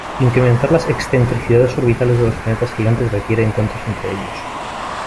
Incrementar las excentricidades orbitales de los planetas gigantes requiere encuentros entre ellos.